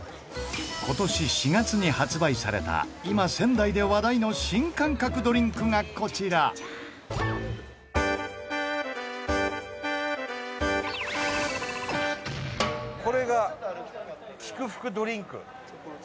今年４月に発売された今、仙台で話題の新感覚ドリンクがこちら伊達：これが喜久福ドリンク。